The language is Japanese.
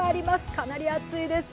かなり暑いです。